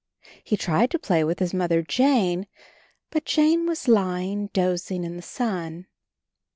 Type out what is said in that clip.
He tried to play with his Mother Jane, but Jane was lying dozing in the sun.